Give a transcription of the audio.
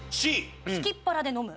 「空きっ腹で飲む」。